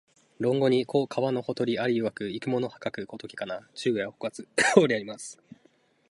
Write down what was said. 論語に、「子、川のほとりに在りていわく、逝く者はかくの如きかな、昼夜をおかず」とあります